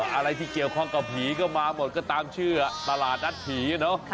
อะไรที่เกี่ยวข้องกับผีก็มาหมดก็ตามชื่อตลาดนัดผีเนอะ